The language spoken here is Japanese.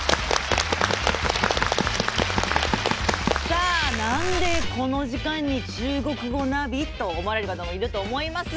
さあなんでこの時間に「中国語！ナビ」？と思われる方もいると思います。